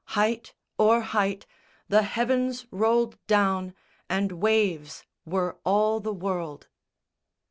Height o'er height The heavens rolled down, and waves were all the world.